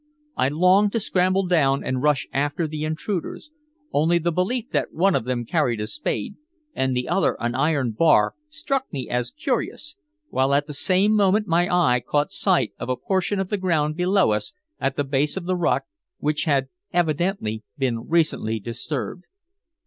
I longed to scramble down and rush after the intruders, only the belief that one of them carried a spade and the other an iron bar struck me as curious, while at the same moment my eye caught sight of a portion of the ground below us at the base of the rock which had evidently been recently disturbed.